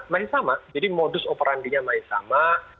masih sama jadi modus operandinya masih sama